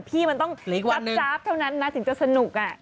พี่มันต้องจ๊าบเท่านั้นนะถึงจะสนุก